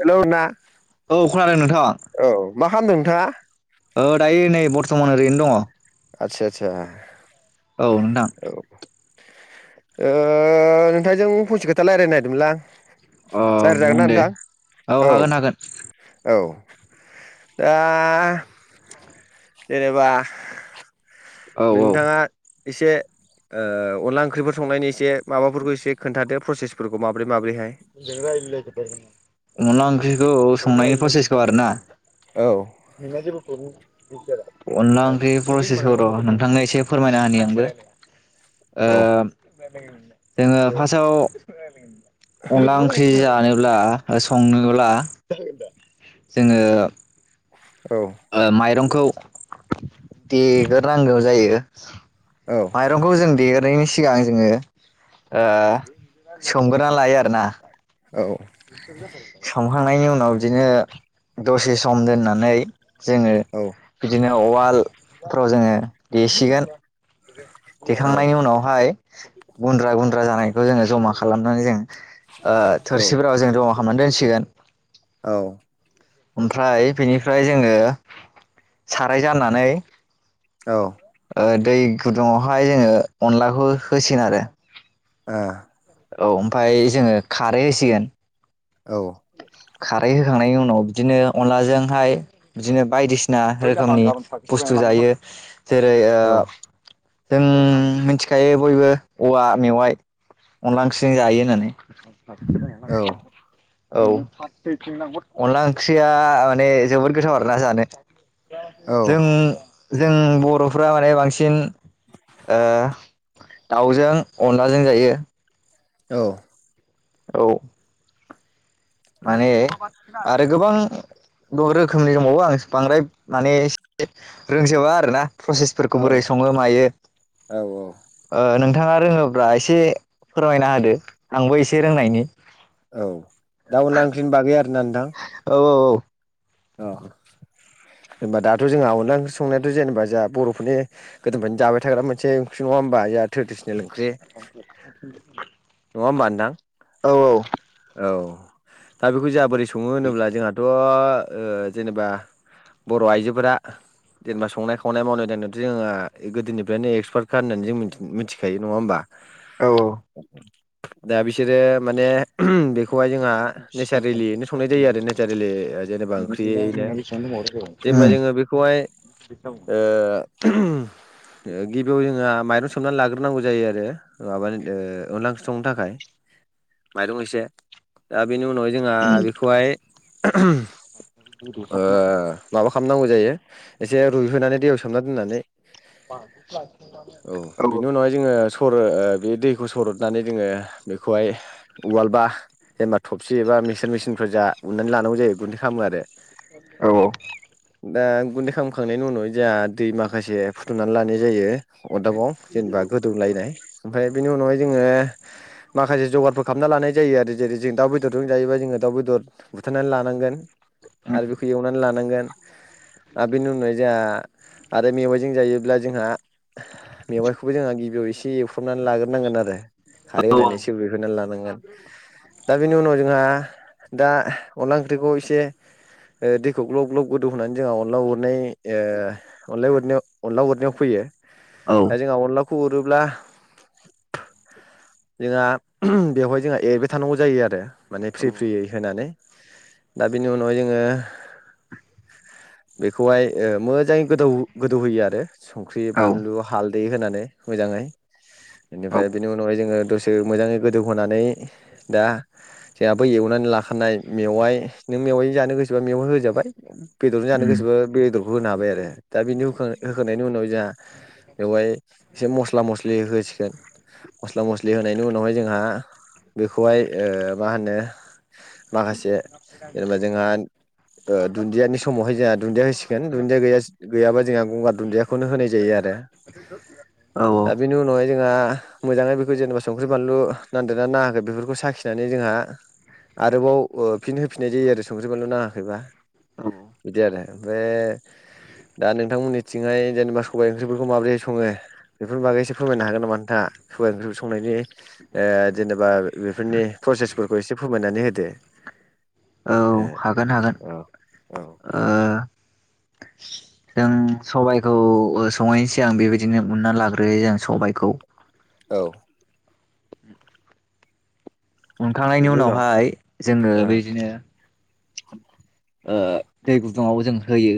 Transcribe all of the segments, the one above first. Hello ना औ खोनादों नोंथाङा औ मा खालामदों नोंथाङा औ दायो नै बर समान ओरैनो दङ आतसा-आतसा औ नोंथां औ ओ नोंथांजों फंसे खोथा लायरायनो नागिरदोंमोनलां अ रायज्लायजागोन बुं ना दे नोंथां औ हागोन हागोन औ दा जेनेबा औ औ नोंथाङा एसे ओ अनला ओंख्रिफोर संनायनि एसे माबाफोरखौ एसे खोन्थादो प्रसेसफोरखौ [inaudible] [inaudible] [inaudible] माब्रै माब्रैहाय खौ संनायनि प्रसेसखौ आरो ना औ नोंना जेबो प्रब्लेम अनला ओंख्रि प्रसेसखौ र नोंथांनो एसे फोरमायना होनि आंबो ओ औ जोङो फासआव अनला ओंख्रि जानोब्ला संनोब्ला जोङो औ ओ माइरंखौ देग्रो नांगौ जायो औ औ माइरंखौ जों देयो [inaudible] सिगां जोंङो ओ सोमग्रोना लायो आरोना औ संखांनायनि उनाव बिदिनो दसे सम दोननानै जोंङो औ बिदिनो उवालफ्राव जोंङो गदेसिगोन औ देखांनायनि उनावहाय गुन्द्रा गुन्द्रा जानायखौ जोंङो जमा खालामनानै जोंङ ओ थट [unintelligible] खालामनानै दोनसिगोन औ ओमफ्राय बेनिफ्राय जोंङो साराय जानानै औ औ दै गुदुङावहाय जोंङो अनलाखौ होसिन आरो। ओ औ ओमफफ्राय जोंङो खारै होसिगोन। औ खारै होखांनायनि उनाव बिदिनो अनलाजोंहाय बिदिनो बायदिसिना रोखोमनि बुस्थु जायो जेरै ओ औ जों मिथिखायो बयबो औवा मेवाइ अनला ओंख्रिजों जायो होननानै [unintelligible] औ अनला ओंख्रिया माने जोबोद गोथाव आरोना जानो। औ जों जों बरफ्रा माने बांसिन आ दाउजों अनलाजों जायो। औ औ माने अ गोबां रोखोमनि दंबावो आं बांद्राय मानेएसे रोंजोबा आरोना। प्रसेसफोरखौ बोरै संङो मायो औ औ ओ नोंथां नोंथांङा रोंङोब्ला एसे फोरमायना होदो आंबो एसे रोंनायनि। औ दा उनांंख्रिनि बागै आरो ना नोंथां। औ औ औ अ जेनबा दाथ जोंहा अनला ओंख्रि संनायाथ जेनेबा जोंहा बर'फोरनि गोदनिफोरयनो जाबाय थाग्रा मोनसे ओंख्रि नङा होमबा जों ट्रेडिसन ख्रि नंङा होमबानो ना औ औ दा बेखौ जोंहा बोरै सङो होनोब्ला जोंहाथ' ओ जेनेबा बर' आइजोफोरा जेनेबा संनाय खावनाय मावनाय दांनायावथ' जोङो गोदोनिफ्रायनो एक्सपार्टखा होननानै जों मिथिखायो नङा होमबा। [unintelligible] दा बिसोरो माने ओम बेखौ खौहाय जोंहा नेचारेलिनो संनाय जायो आरो नेचारेलि एबा ओंख्रियैनो जेनेबा औ जोङो बेखौहाय ओ गिबियाव जोंहा माइरं सोमनानै लाग्रोनांगौ जायो आरो माबानि ओ अनला सथंनो थाखाय माइरं एसे बेनि उनावहाय जोंहा बेखौहाय [inaudible] ओ माबा खालामनांगौ जायो एसे रुइहोनानै दैयाव सोमना दोननानै औ स'रो ओ बे दैखौ सरदनानै जोङो बेखौहाय उवालबा जेनबा थबसि एबा मिक्सार मेसिनफोर जा उननानै लानांगौ जायो गुन्दै खालामो आरो औ औ दा गुन्दै खालामखांनायनि उनाव जोंहा दै माखासे फुदुंनानै लानाय जायो। अरदाबाव जेनेबा गोदौलायनाय ओमफ्राय बेनि उनावहाय जोङो माखासे जगारफोर खालामना लानाय जायो आरो जेरै जों दाउ बेदरजों जायोबा जोङो दाउ बेदर बुथारनानै लानांगोन आरो बेखौ एवनानै लानांगोन आरो बेनि उनावाय जोंहा आरो मेवाइजों जायोब्ला जोंहा मेवाइखौबो जोंहा गिबियाव एसे एवफ्रामनानै लाग्रोनांगोन आरो खारै होनानै एसे [unintelligible] एवफ्रामनानै लानांगोन दा बेनि उनाव जोंहा दा अनला ओंख्रिखौ एसे ओ दैखौ ग्लब ग्लब गोदौ होनानै जोंहा अनला उरनाय ओ अनला उरनायाव अनला याव फैयो दा जोंहा अनलाखौ खौ हरोब्ला जोंहा बेवहाय जोंहा एरबाय थानांगौ जायो आरो माने फ्रि फ्रियै होनानै [inaudible] बिनि उनाव जोङो बेखौहाय ओ मो जाङै गोदौ गोदौ होयो आरो संख्रि, औ औ बानलु, हाल दै होनानै मोजाङै औ बेनिफ्राय बिनि उनावहाय जोङो दसे मोजाङै गोदोव होनानै दा जोंहाबो एवनानै लाखानाय मेवाइ नों मेवायजों जानो गोसोबा मेवं होजाबाय बेदरजों जानो उम गोसोबो बे बेदरखौ होनो हाबाय आरो दा बिनि होखां होखांनायनि उनाव जोंहा बेवहाय एसे मस्ला मस्लि होसिगोन मस्ला मस्लि [unintelligible] उनावहाय जोंहा बेखौहाय ओ मा होनो माखासे जेनेबा जोंहा दुन्दियानि समावहाय जोंहा दुन्दिया होसिगोन दुन्दियाैया गैयाबा जोंहा गंगार दुन्दियाखौनो होनाय जायो आरो औ दा बेनि उनावहाय जोंहा मोजाङै बेखौ जेनेबा संख्रि बानलु नांदो ना नाङाखो बेफोरखौ साखिनानै जोंहा आरोबाव फिन फिनाय जायो आरो संख्रि बानलु नाङाखैबा औ बिदि आरो ओमफ्राय दा नोंथांमोननिथिंहाय जेनेबा सबायाइ ओंख्रिफोरखौ माबोरैह सङो बेफोरनि बागै एसे फोरायनो हागोन नामा नोंथाङा? सबाय ओंख्रिखौ संनायनि ओ जेनेबा बेफोरनि प्रसेस फोरखौ एसे फोरमायनानै होदो औ हागोन हागोन ओ औ औ ओ जों सबायखौ संनायनि सिगां बेबायदिनो उनना लाग्रोयो जों सबायखौ औ उनखांनायनि बेनि उनाव उनावहाय जोङो ओ बिदिनो ओ दै गुदुङाव जों होयो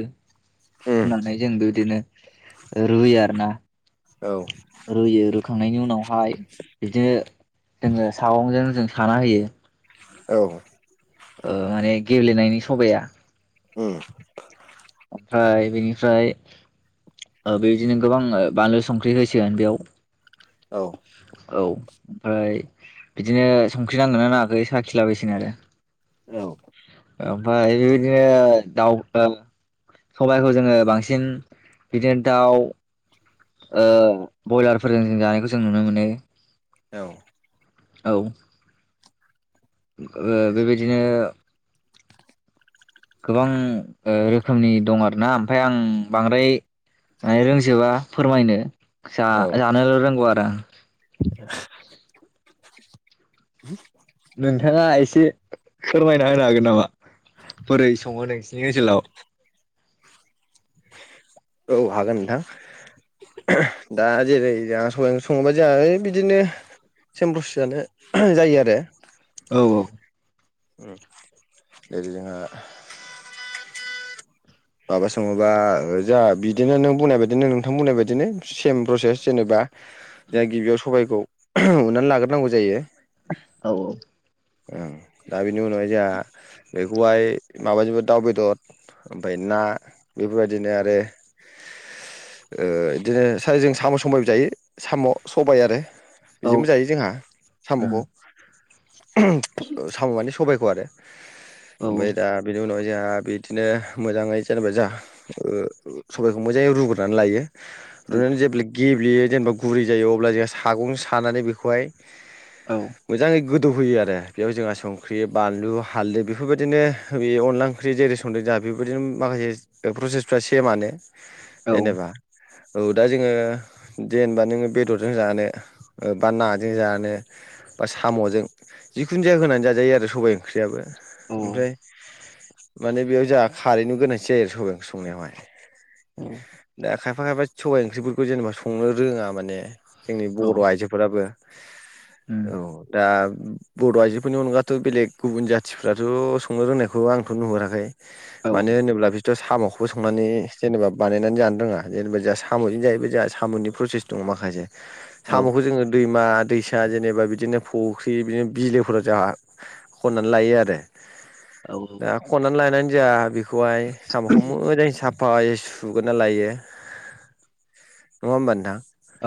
उम होननानै जोंबो बिदिनो रुयो आरो ना औ होखांनायनि उनाव माय बिदिनो जोङो सावंजों जों साना होयो औ माने गबेलेनायनि सबाया उम ओमफ्राय बेनिफ्राय बेबायदिनो गोबां बानलु संख्रि होसिगोन बेयाव औ ओमफ्राय बिदिनो संख्रि नांगोन ना नाङाखै साखिला बायसिगोन आरो औ ओमफाय बेबायदिनो दाउ ओ सबायाइखौ जोङो बांसिन बिदिनो दाउ ओ बयलारफोरजों जों जानायखौ जों नुनो मोनो औ औ ओ बेबायदिनो गोबां ओ रोखोमनि दं आरोना ओमफ्राय आं बांद्राय रोंजोबा फोरमायनो जा जानोल' रोंगौ आ आ [inaudible] नोंथाङा एसे फोरमायना होनो हागोन नामा। बोरै सङो नोंसिनि ओनसोलाव? औ हागोन नोंथां दा जेरै जोंहा सबाइ ओंख्रि सङोबा जोंहा ओ बिदिनो सेम प्रसेस आनो जायो आरो। औ औ। उम जोंहा [unintelligible] माबा सङोबा ओ जोंहा बिदिनो नों बुंनाय बायदिनो नोंथां बुंनाय बायदिनो सेम प्रसेस जेनेबा जों गिबियाव सबायखौ उननानै लाग्रोनांगौ जायो। औ औ। ओं दा बेनि उनावहाय जोंहा बेखौहाय माबाजोंबो दाउ बेदर ओमफ्राय ना बेफोरबायदिनो आरो बिदिनो ओ सार जों साम' सबायबो जायो साम' सबाय आरो। औ इजोंबो जायो जोंहा उम साम'खौ। साम' माने सबायखौ आरो। ओमफाय औ दा बिनि उनावहाय जोंहा बिदिनो मोजाङै जेनेबा जोंहा सबाइखौ मोजाङै रुग्रोनानै लायो। रुनानै जेब्ला गे गेब्लेयो जेनेबा गुरै जायो अब्ला जोंहा सागं सानानै बेखौहाय औ मोजांङै गो दौहोयो आरो बेयाव जोंहा संख्रि बानलु हाल्दै बेफोरबायदिनो बे अनला ओंख्रि जेरै संदों जोंहा बेफोरबायदिनो माखासे प्रसेसफ्रा सेमानो। औ जेनेबा। औ दा जोङो जेनेबा नोङो बेदरजों जानो बा नाजों जानो बा साम'जों जिखुनुजाया होनानै जाजायो आरो सबाय ओंख्रियाबो। औ ओमफ्राय माने बेयाव जोंहा खारैनिनो गोनांथि जायो आरो सबाइ ओंख्रि संनायावहाय। औ दा खायफा खायफा सबाइ ओंख्रिफोरखौ जेनेबा संनो रोङा माने। जोंनि औ बर' आइजोफोराबो। उम औ दा बर' आइजोफोरनि अनगाथ' बेलेग गुबुन जाथिफ्राथ' संनो रोंनायखौ आंथ' नुहुराखै। औ मानो होनोब्ला बि सोर साम'खौबो संनानै जेनेबा बानायनानै जानो रोङा जेनेबा जोंहा साम'जों जायोबा जोंहा साम'नि प्रसेस दङ माखासे। औ साम'खौ जोङो दै मा दैसा जेनेबा बिदिनो फख्रि बि बिदिनो बिलोफोराव जाहा खननानै लायो आरो । औ दा खननानै लायनानै जा बिख बेखौहाय साम'खौ मोजां साब फाय सुगोना लायो नङा होमबा नोंथां?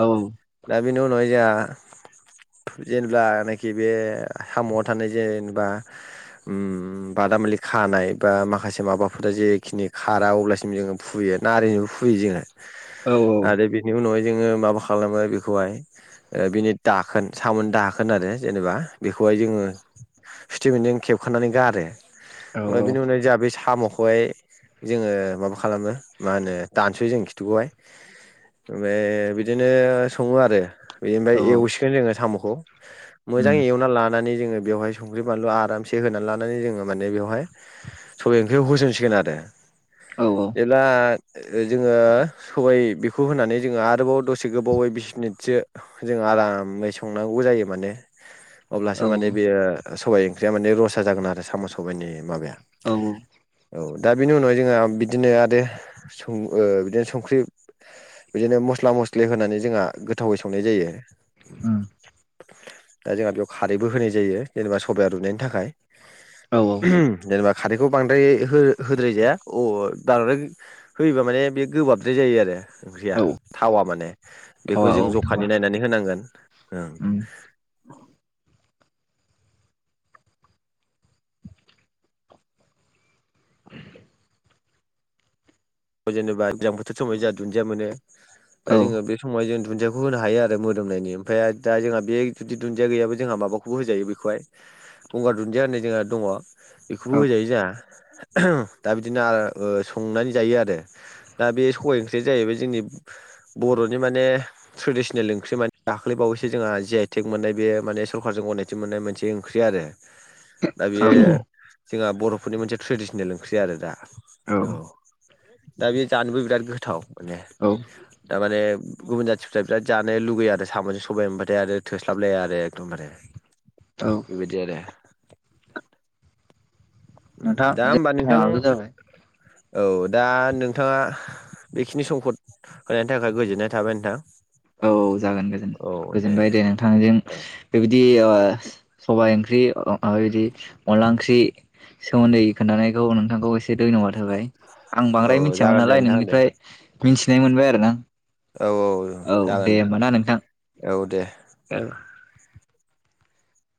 औ उम दाबिनि उनाव हाय जाहा जेनेबा नाइक खि बे साम'आव थानाय जेनेबा ओम बादामालि खानाय बा माखासे माबाफोरा जेखिनि खारा अब्लासिम जोङो फुयो नारिजोबो फुयो जोङो । औ आरो बिनि उनावहाय जोङो माबा खालामो बेखौहाय ओ बिनि दाखोन सामोन दाखोन आरो । जेनेबा बेखौहाय जोङो सुथेफेनजों खेबखानानै गारो । औ ओमफ्राय बेनि उनाव जा बेै साम'ख खौहाय जोङो माबा खालामो मा होनो दानसयो जों खिथुखौहाय ओमफाय बिदिनो सङो आरो । बेनिफाय औ एवसिगोन जोङो साम'ख ग मोजां एवना लानानै जोङो बेयावहाय संख्रि बानलु आरामसे होनानै लानानै जोङो माने बेवहाय सबाइ ओंख्रिखौ होसनसिगोन आरो । एला ओ जोङो सबाइ बेखौ होनानै जोङो आरोबाव दसे गोबावै बिस मिनिटसो जोङो आरामै संनांगौ जायो माने । अब्लासो माने बेयो सबाइ ओंख्रिया माने रसा जागोन आरो साम' सबाइनि माबाया । औ औ । औ दा बेनि उनावहाय जोंहा बिदिनो आरो सं ओ बिदिनो संख्रि बिदिनो मस्ला मस्लि होनानै जोङा गोथावै संनाय जायो । उम [inaudible] [inaudible] दा जोंहा बेयाव खारैबो होनाय जायो जेनेबा सबाया रुयनायनि थाखाय औ । देरबा खारैखौ बांद्राय हो - होद्राय जाया अ बांद्राय होयोबा माने बे गोबाबद्राय जायो आरो । ओंख्रिया औ थावा माने बेखौ थावा जों औ थावा जखानि नायनानै होनांगोन उम ओ । जेनेबा एगजामफोल समावहाय जा दुन्दिया मोनो औ दा जोङो बे समावहाय जों दुन्दियाखौ होनो हायो आरो मोदोमनायनि ओमफ्राय दा जोंहा बे जुदि दुन्दिया गैयाबो जोंहा माबाखौबो होजायो बेखौहाय गंगार दुन्दिया होननाय जोंहा दङ । बेखौबो होजायो जा । दा बिदिनो आरो संनानै जायो आरो । दे दा बे सबाय ओंख्रिया जाहैबाय जोंनि बर'नि माने ट्रेडिसनेल ओंख्रि माने दाख्लैबावैसो जोंहा जि आइ टेक मोननाय बेयो माने सरखारजों गनायथि मोननाय मोनसे ओंख्रि आरो । दा बे जोंहा बर'फोरनि मोनसे ट्रेडिसनेल ओंख्रि आरो दा औ। दा बेयो जानोबो बिराद गो थाव माने थारमाने गुबुन जाथिफ्रा बिराद जानो लुुबैयो आरो साम'जों सबाय होनबाथाय आरो थोस्लाबलाया आरो एखदमबारे औ बिबायदि आरो। नोंथां दा [unintelligible] होमबा नोंथां टाइमाबो जाबाय औ दा नोंथाङा बेखिनि समखौ होनायनि थाखाय गोजोननाय थाबाय नोंथां। औ जागोन गोजोन गोजोनबाय दे नोंथांजों औ बेबायदि ओ सबाइ ओं ख्रि ओ मा बिदि अनला ओंख्रि सोमोन्दै खोनथानायखौ नोंथांखौ एसे धन्यबाद होबाय। आं औ बांद्राय मिथियामोन जागोन दे नालाय नोंथां दे नोंनिफ्राय मिथिनाय मोनबाय आरो ना। औ औ औ दे होमबा ना नोंथां। औ दे। [unintelligible]